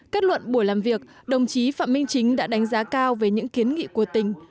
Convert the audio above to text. kết luận buổi làm việc đồng chí phạm minh chính đã đánh giá cao về những kiến nghị của tỉnh